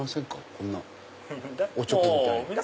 こんなおちょこみたいな。